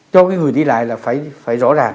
cho cái người đi lại là phải rõ ràng